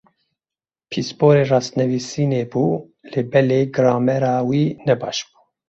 Pisporê rastnivîsînê bû lê belê gramera wî nebaş bû.